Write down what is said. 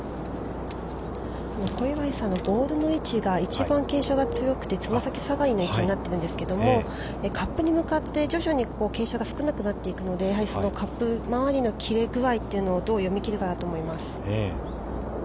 ◆小祝さんのボールの位置は一番傾斜が強くてつま先下がりの位置になっているんですけれども、カップに向かって徐々に傾斜が少なくなっていくので、やはりカップ周りの切れぐあいをどう読み切るかだと思います。